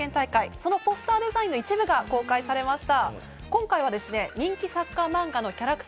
そのポスターデザインの一部が公開されました。